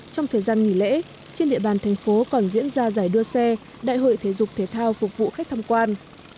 trong thời gian nghỉ lễ trên địa bàn thành phố còn diễn ra giải đua xe đại hội thể dục thể thao phục vụ khách tham quan